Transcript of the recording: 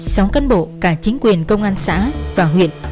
tổ cán bộ cả chính quyền công an xã và huyện